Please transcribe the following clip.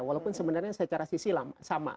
walaupun sebenarnya secara sisi sama